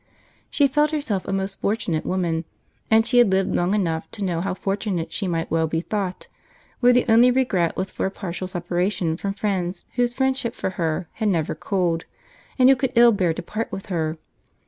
She felt herself a most fortunate woman; and she had lived long enough to know how fortunate she might well be thought, where the only regret was for a partial separation from friends whose friendship for her had never cooled, and who could ill bear to part with her.